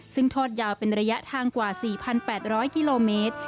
ซึ่งทอดยาวเป็นระยะทางกว่าสี่พันแปดร้อยกิโลเมตร